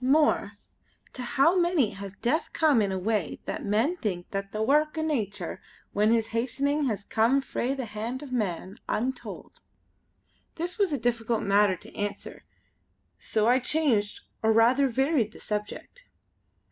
more, to how many has Death come in a way that men think the wark o' nature when his hastening has come frae the hand of man, untold." This was a difficult matter to answer so I changed or rather varied the subject.